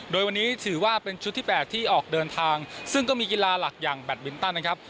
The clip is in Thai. โดยวันนี้ถือว่าเป็นชุดที่๘ที่ออกเดินทางซึ่งก็มีกีฬาหลักอย่างแบตมินตันนะครับ